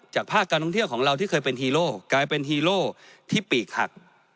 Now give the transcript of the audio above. ภาคการท่องเที่ยวของเราที่เคยเป็นฮีโร่กลายเป็นฮีโร่ที่ปีกหัก